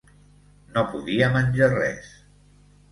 No podia menjar res.